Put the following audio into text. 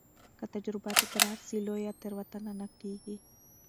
که تجربه تکرار سي، لویه تېروتنه نه کېږي.